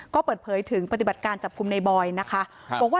ก็เปิดเผยถึงปฏิบัติการจับคุมนายบอยนะคะ